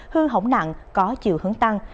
hư hỗn nặng có chiều hướng tăng